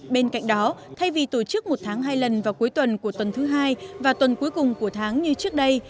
bên cạnh đó thay vì tổ chức một tháng hai lần vào cuối tuần của tuần thứ hai và tuần cuối cùng của tháng như trước đây